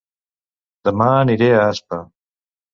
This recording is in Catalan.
Dema aniré a Aspa